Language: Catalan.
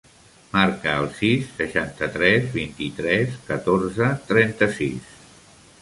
Marca el sis, seixanta-tres, vint-i-tres, catorze, trenta-sis.